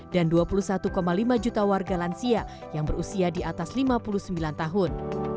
dan dua puluh satu lima juta warga lansia yang berusia di atas lima puluh sembilan tahun